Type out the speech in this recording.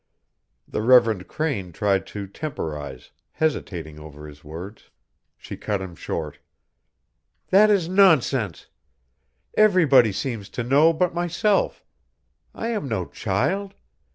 The Reverend Crane tried to temporize, hesitating over his words. She cut him short. "That is nonsense. Everybody seems to know but myself. I am no child.